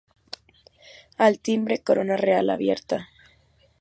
Al timbre, Corona Real Abierta.